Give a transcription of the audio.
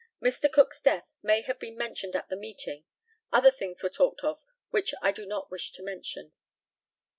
Mr. Cook's death may have been mentioned at this meeting. Other things were talked of which I do not wish to mention.